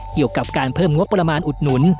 เกี่ยวกับการเพิ่มงบประมาณอุดหนุน